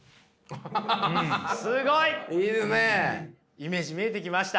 イメージ見えてきました？